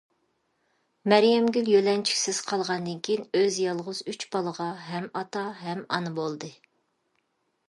مەريەمگۈل يۆلەنچۈكسىز قالغاندىن كېيىن، ئۆزى يالغۇز ئۈچ بالىغا ھەم ئاتا ھەم ئانا بولدى.